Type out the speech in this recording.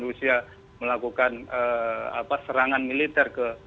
rusia melakukan serangan militer ke